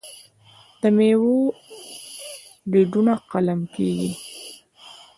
د میوو ډډونه قلم کیږي.